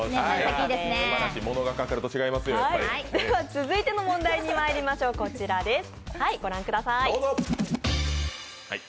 続いての問題にまいりましょう、こちらです。